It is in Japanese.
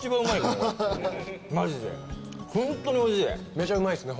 めちゃうまいっすね。